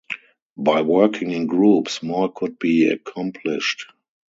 By working in groups more could be accomplished.